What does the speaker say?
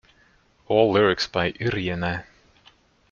All lyrics by Yrjänä.